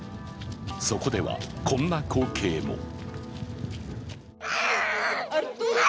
そこではこんな光景も。